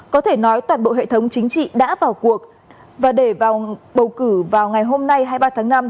có thể nói toàn bộ hệ thống chính trị đã vào cuộc và để vào bầu cử vào ngày hôm nay hai mươi ba tháng năm